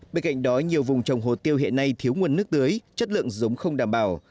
bên cạnh đó nhiều vùng trồng hồ tiêu hiện nay thiếu nguồn nước tưới chất lượng giống không đảm bảo